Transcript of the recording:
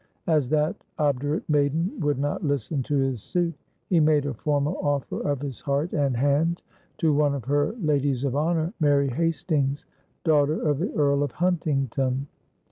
As that obdurate maiden would not listen to his suit, he made a formal offer of his heart and hand to one of her ladies of honor, Mary Hastings, daughter of the Earl of Huntington.